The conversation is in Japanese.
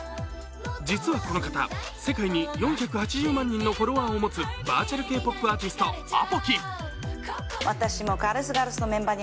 実はこの方、世界に４８０万人のフォロワーを持つバーチャルＫ−ＰＯＰアーティストＡＰＯＫＩ。